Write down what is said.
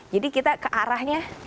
jadi kita ke arahnya